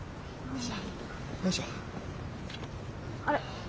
あれ？